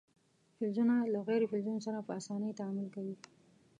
فلزونه له غیر فلزونو سره په اسانۍ تعامل کوي.